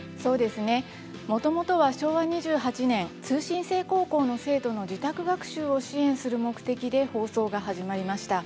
もともとは昭和２８年通信制高校の生徒の自宅学習を支援する目的で放送が始まりました。